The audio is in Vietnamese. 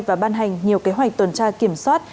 và ban hành nhiều kế hoạch tuần tra kiểm soát